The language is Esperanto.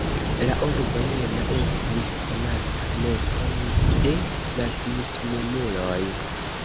La urbo Jena estis konata nesto de naziismemuloj.